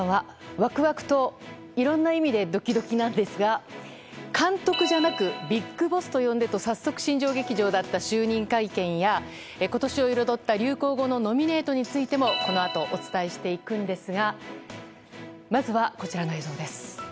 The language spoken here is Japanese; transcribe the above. ワクワクと、いろんな意味でドキドキなんですが監督じゃなくビッグボスと呼んでと早速、新庄劇場だった就任会見や今年を彩った流行語のノミネートについてもこのあとお伝えしていくんですがまずはこちらの映像です。